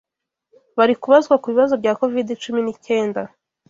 bari kubazwa kubibazo bya covid cumi n'icyenda